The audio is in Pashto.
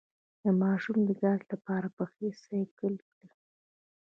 د ماشوم د ګاز لپاره پښې سایکل کړئ